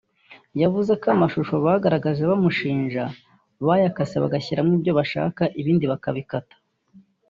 yavuze ko amashusho bagaragaje bamushinja ngo bayakase bagashyiramo ibyo bashaka ibindi bakabikata